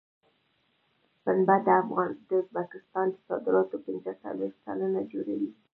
پنبه د ازبکستان د صادراتو پنځه څلوېښت سلنه جوړوي.